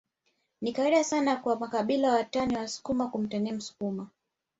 Ni kawaida sana kwa makabila watani wa msukuma kumtania msukuma